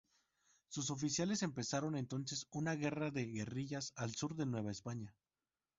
Sus oficiales empezaron entonces una guerra de guerrillas al sur de la Nueva España.